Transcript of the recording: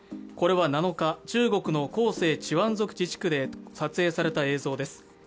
これは７日、中国の広西チワン族自治区で撮影された映像です。